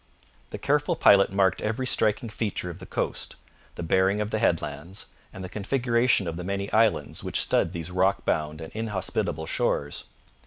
The careful pilot marked every striking feature of the coast, the bearing of the headlands and the configuration of the many islands which stud these rock bound and inhospitable shores.